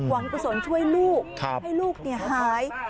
กุศลช่วยลูกให้ลูกหาย